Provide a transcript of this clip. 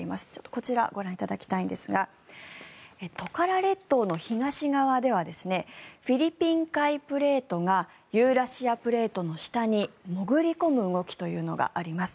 こちらご覧いただきたいんですがトカラ列島の東側ではフィリピン海プレートがユーラシアプレートの下にもぐり込む動きというのがあります。